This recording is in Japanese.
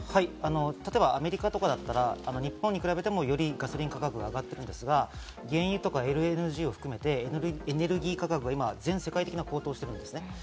例えばアメリカとかだったら日本に比べても、よりガソリン価格が上がってますが、原油とかＬＮＧを含めてエネルギー価格が今、全世界的に高騰しているんです。